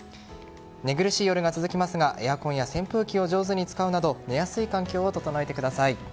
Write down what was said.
寝苦しい夜が続きますがエアコンや扇風機を上手に使うなど寝やすい環境を整えてください。